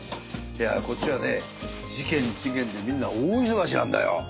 こっちはね事件事件でみんな大忙しなんだよ。